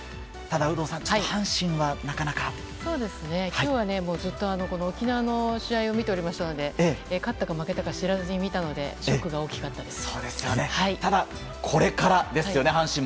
今日はもうずっと沖縄の試合を見ておりましたので勝ったか負けたか知らずに見たのでショックが大きかったです。